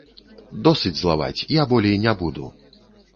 Досыць злаваць, я болей не буду!